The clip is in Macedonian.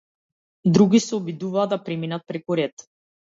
Други се обидуваа да преминат преку ред.